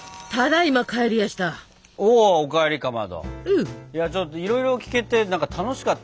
いやちょっといろいろ聞けてなんか楽しかった。